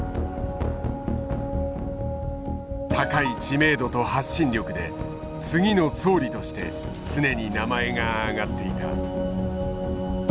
高い知名度と発信力で次の総理として常に名前が挙がっていた。